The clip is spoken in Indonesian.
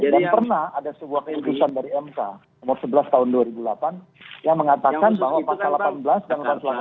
dan pernah ada sebuah kekhususan dari mk nomor sebelas tahun dua ribu delapan yang mengatakan bahwa pasal delapan belas dan gelandas konstitusi itu